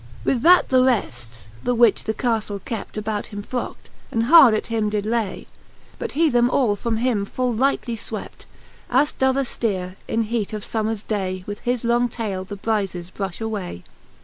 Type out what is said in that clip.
With that the reft, the which the Caftle kept, About him flockt, and hard at him did lay; But he them all from him full lightly fwept, As doth a Stear,, in heat of fommers day. With his long taile the bryzes brufli away..